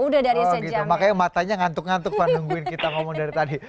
udah dong gitu makanya matanya ngantuk ngantuk pak nungguin kita ngomong dari tadi